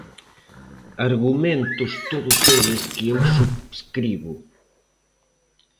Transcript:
Argumentos todos eles que eu subscribo.